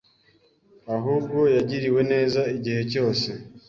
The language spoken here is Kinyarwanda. Ahubwo yagiriwe neza igihe cyose,